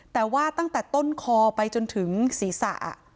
แต่ว่าตั้งแต่ต้นคอไปจนถึงศีรษะ